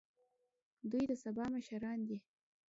دوی د سبا مشران دي